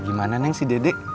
gimana neng si dedek